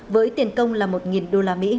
với tiền công là một usd